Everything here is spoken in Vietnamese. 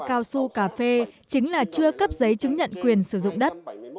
cao su cà phê chính là chưa cấp giấy chứng nhận quyền sử dụng đất